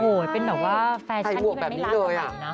โอ้โฮเป็นแบบว่าแฟร์ชันที่มันไม่รักเหมือนกัน